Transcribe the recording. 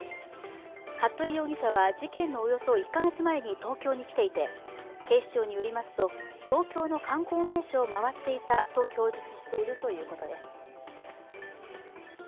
服部容疑者は事件のおよそ１カ月前に東京に来ていて警視庁によりますと東京の観光名所を回っていたと供述しているということです。